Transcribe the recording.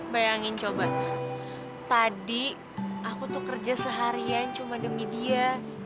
bayangin coba tadi aku tuh kerja seharian cuma demi dia